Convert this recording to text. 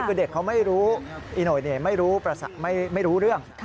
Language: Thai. คือเด็กเขาไม่รู้อีโน่ไม่รู้เรื่อง